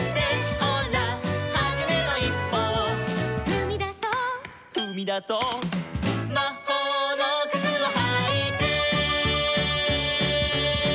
「ほらはじめのいっぽを」「ふみだそう」「ふみだそう」「まほうのくつをはいて」